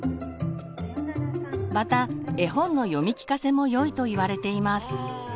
また絵本の読み聞かせもよいといわれています。